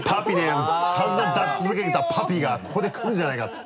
散々出し続けてきたパピがここで来るんじゃないかって。